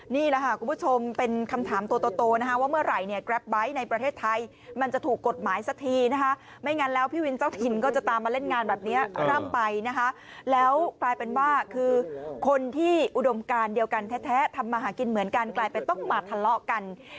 นี่แหละคุณผู้ชมเป็นคำถามโตโตนะฮะว่าเมื่อไหร่เนี่ยแกรปไบท์ในประเทศไทยมันจะถูกกฎหมายสักทีนะฮะ